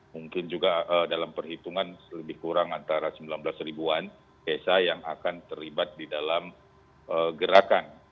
mungkin juga dalam perhitungan lebih kurang antara sembilan belas ribuan desa yang akan terlibat di dalam gerakan